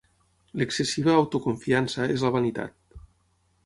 L'excessiva autoconfiança és la vanitat.